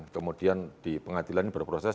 kemudian di pengadilan ini berproses